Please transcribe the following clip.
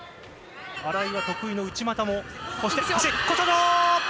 新井は得意の内股も、そして、小外。